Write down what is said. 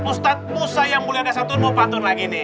ustadz musa yang mulia desa tunduk pantun lagi nih ya